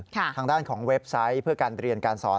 ทางด้านของเว็บไซต์เพื่อการเรียนการสอน